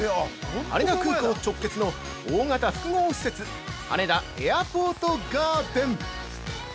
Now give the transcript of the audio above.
羽田空港直結の大型複合施設「羽田エアポートガーデン」。